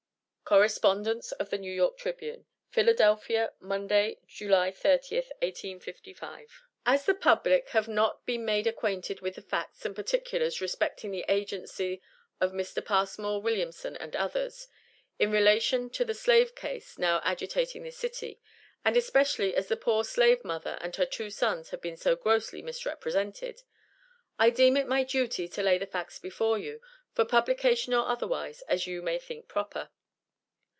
[Correspondence of The N.Y. Tribune.] PHILADELPHIA, Monday, July 30, 1855. As the public have not been made acquainted with the facts and particulars respecting the agency of Mr. Passmore Williamson and others, in relation to the slave case now agitating this city, and especially as the poor slave mother and her two sons have been so grossly misrepresented, I deem it my duty to lay the facts before you, for publication or otherwise, as you may think proper.